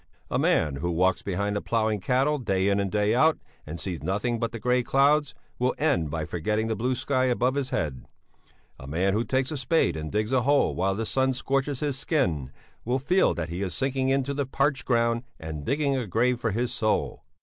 A man who walks behind the ploughing cattle day in day out, and sees nothing but the grey clouds, will end by forgetting the blue sky above his head; a man who takes a spade and digs a hole while the sun scorches his skin, will feel that he is sinking into the parched ground and digging a grave for his soul.